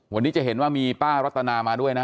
วันนี้จะเห็นว่ามีป้ารัตนามาด้วยนะ